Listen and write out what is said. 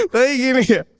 tapi gini ya